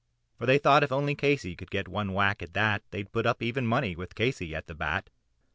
For they thought if only Casey could get a whack at that, They'd put up even money with Casey at the bat.